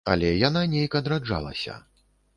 Але яна нейк адраджалася.